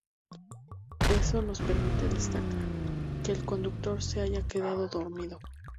Eso nos permite descartar que el conductor se haya quedado dormido.